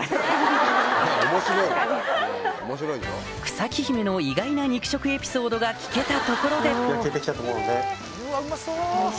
草木姫の意外な肉食エピソードが聞けたところで焼けてきたと思うので。